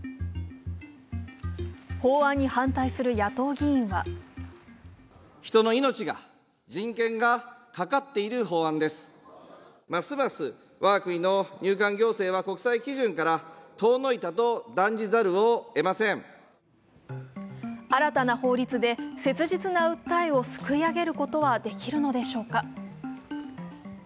法案に反対する野党議員は新たな法律で切実な訴えをすくい上げることはできるのでしょうか。